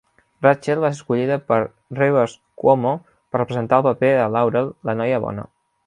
Rachel va ser escollida per Rivers Cuomo per representar el paper de Laurel, la "noia bona".